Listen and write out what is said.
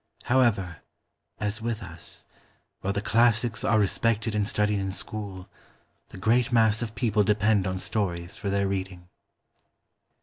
However, as with us, while the classics are respected and studied in school, the great mass of people depend on stories for their reading.